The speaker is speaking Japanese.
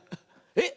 えっ